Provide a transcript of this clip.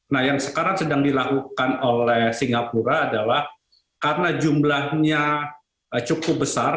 nah yang sekarang sedang dilakukan oleh singapura adalah karena jumlahnya cukup besar